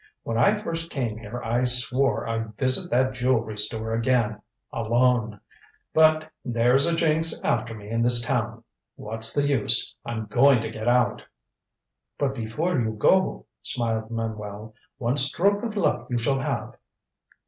When I first came here I swore I'd visit that jewelry store again alone. But there's a jinx after me in this town. What's the use? I'm going to get out." "But before you go," smiled Manuel, "one stroke of luck you shall have."